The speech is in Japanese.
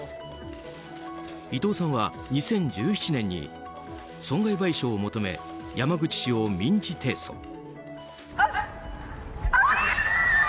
伊藤さんは、２０１７年に損害賠償を求め山口氏を民事提訴。